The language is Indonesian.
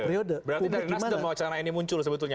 berarti dari nasdem wacana ini muncul sebetulnya